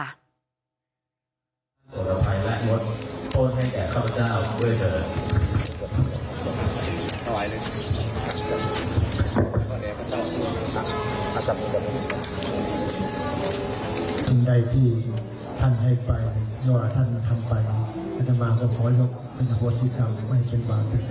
ท่านให้ไปจำอน่าท่านทำไปเวลาจะมาช่วยประชาปโภชิฟัง